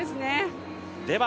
では